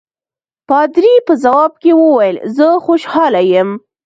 پادري په ځواب کې وویل زه خوشاله یم.